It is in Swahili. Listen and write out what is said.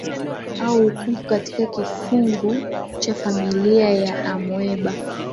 au ukungu katika kifungu cha familia ya amoeba